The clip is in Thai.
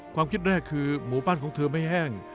ความคิดแรกคือหมู่บ้านของเธอไม่แห้ง